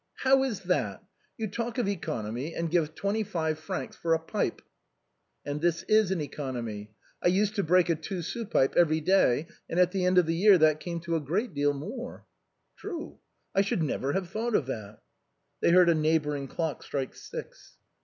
" How is that ! You talk of economy, and give twenty five francs for a pipe !"" And this is an economy. I used to break a two sous pipe every day, and at the end of the year that came to a great deal more." 86 THE BOHEMIANS OF THE LATIN QUARTER. " True ; I should never have thought of that." They heard a neighboring clock strike six.